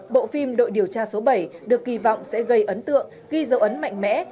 bộ phim đội điều tra số bảy được kỳ vọng sẽ gây ấn tượng ghi dấu ấn mạnh mẽ